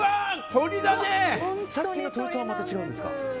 さっきの鶏とはまた違うんですか。